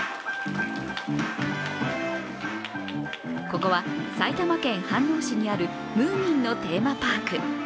ここは、埼玉県飯能市にあるムーミンのテーマパーク。